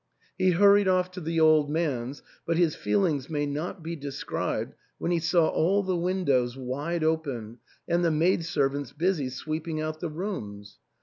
He hurried off to the old man's, but his feelings may not be described when he saw all the windows wide open and the maid servants busy sweeping out the rooms.